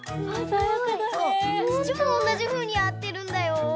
つちもおんなじふうにやってるんだよ。